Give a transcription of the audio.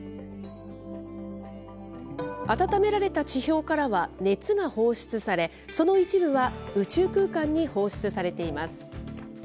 暖められた地表からは熱が放出され、その一部は宇宙空間に放出されています。